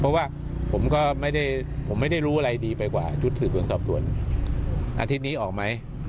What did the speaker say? เพราะว่าผมก็ไม่ได้ผมไม่ได้รู้อะไรดีไปกว่าชุดสืบสวนสอบสวนอาทิตย์นี้ออกไหม